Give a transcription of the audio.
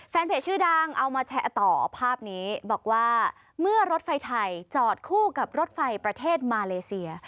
เพจชื่อดังเอามาแชร์ต่อภาพนี้บอกว่าเมื่อรถไฟไทยจอดคู่กับรถไฟประเทศมาเลเซีย